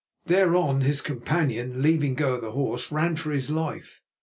Thereon his companion, leaving go of the horse, ran for his life.